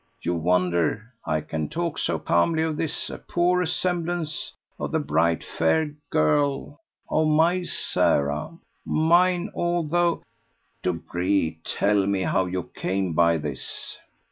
You wonder I can talk so calmly of this, a poor resemblance of the bright fair girl of my Sara mine although Dobree, tell me how you came by this."